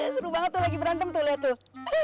seru banget tuh lagi berantem tuh